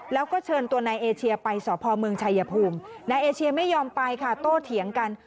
แล้วก็เชิญตัวนายเอเชียไปสพเมืองชายภูมินายเอเชียไม่ยอมไปค่ะโต้เถียงกัน